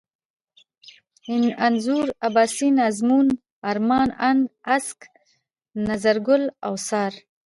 انځور ، اباسين ، ازمون ، ارمان ، اند، اڅک ، انځرگل ، اوڅار